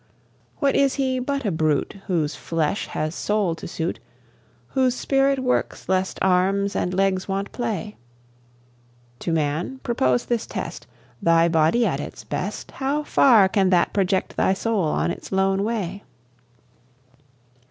What is he but a brute Whose flesh has soul to suit, Whose spirit works lest arms and legs want play? To man, propose this test Thy body at its best, How far can that project thy soul on its lone way?